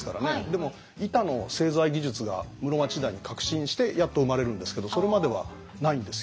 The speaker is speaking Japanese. でも板の製材技術が室町時代に革新してやっと生まれるんですけどそれまではないんですよ。